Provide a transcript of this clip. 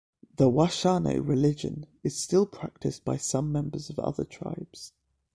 The Washane religion is still practiced by some members of other tribes.